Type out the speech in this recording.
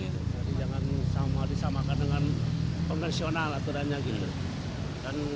jadi jangan disamakan dengan konvensional aturannya gitu